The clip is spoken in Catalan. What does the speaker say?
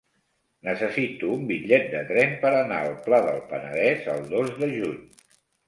Necessito un bitllet de tren per anar al Pla del Penedès el dos de juny.